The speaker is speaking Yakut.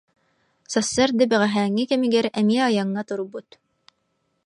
Сарсыарда бэҕэһээҥҥи кэмигэр эмиэ айаҥҥа турбут